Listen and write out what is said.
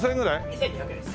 ２２００円です。